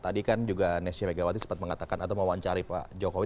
tadi kan juga nesya megawati sempat mengatakan atau mewawancari pak jokowi